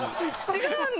違うんだ。